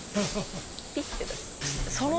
ピッて出す。